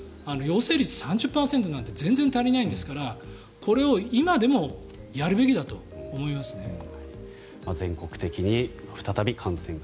陽性率３０％なんて全然足りないですからこれを今でもやるべきだと思いますね。